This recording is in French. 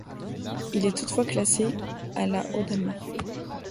Il est toutefois classé à la au Danemark.